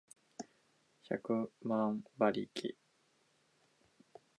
百万馬力